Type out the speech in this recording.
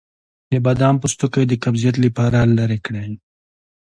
د بادام پوستکی د قبضیت لپاره لرې کړئ